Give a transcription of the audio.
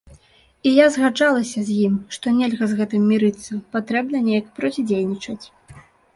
І я згаджалася з ім, што нельга з гэтым мірыцца, патрэбна неяк процідзейнічаць.